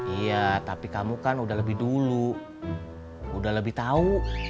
iya tapi kamu kan udah lebih dulu udah lebih tahu